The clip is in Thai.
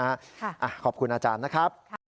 ขอบคุณอาจารย์นะครับ